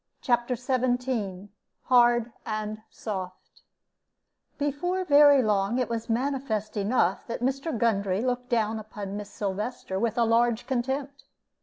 CHAPTER XVII HARD AND SOFT Before very long it was manifest enough that Mr. Gundry looked down upon Miss Sylvester with a large contempt.